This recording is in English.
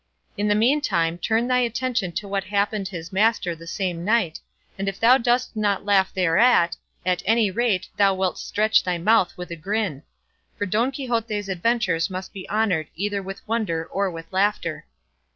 In the meantime turn thy attention to what happened his master the same night, and if thou dost not laugh thereat, at any rate thou wilt stretch thy mouth with a grin; for Don Quixote's adventures must be honoured either with wonder or with laughter.